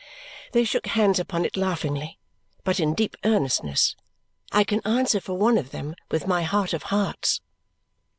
They shook hands upon it laughingly, but in deep earnestness. I can answer for one of them with my heart of hearts.